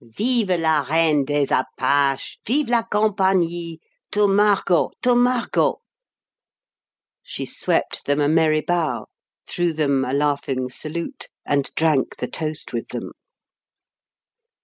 "Vive la Reine des Apaches! Vive la compagnie! To Margot! To Margot!" She swept them a merry bow, threw them a laughing salute, and drank the toast with them.